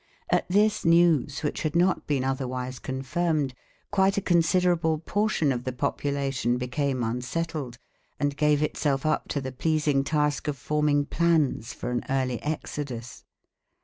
At this news which had not been otherwise confirmed, quite a considerable portion of the population became unsettled and gave itself up to the pleasing task of forming plans for an early exodus.